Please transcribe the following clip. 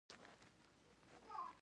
موږ ولې باید کیمیا زده کړو.